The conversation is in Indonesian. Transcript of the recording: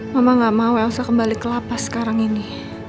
mama gak mau elsa kembali ke lapas sekarang ini